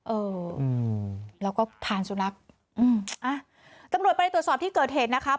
เออแล้วก็ทานสุนัขอ้าตำรวจไปตรวจสอบที่เกิดเหตุนะคะ